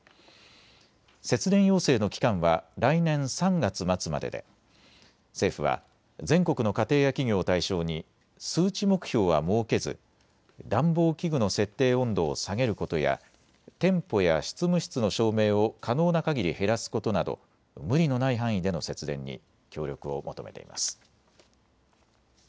節電要請の期間は来年３月末までで政府は全国の家庭や企業を対象に数値目標は設けず暖房器具の設定温度を下げることや店舗や執務室の照明を可能なかぎり減らすことなど無理のない範囲での節電に協力を求めています。